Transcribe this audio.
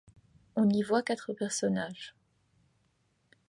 On y voit quatre personnages.